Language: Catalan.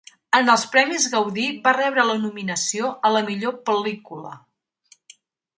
En els Premis Gaudí, va rebre la nominació a la millor pel·lícula.